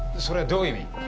それはどういう意味？